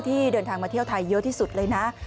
เดินทางมาเที่ยวไทยเยอะที่สุดเลยนะ